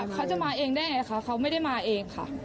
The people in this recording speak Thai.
เขาจะมาเองได้ไงคะเขาไม่ได้มาเองค่ะ